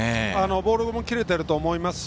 ボールも切れてると思います。